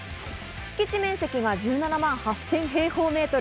敷地面積が１７万８０００平方メートル。